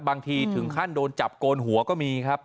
ถึงขั้นโดนจับโกนหัวก็มีครับ